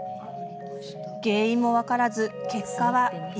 原因も分からず結果は異常なし。